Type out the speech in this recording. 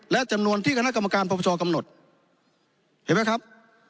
และจำนวนที่คณะกรรมการประประชากำหนดเห็นไหมครับ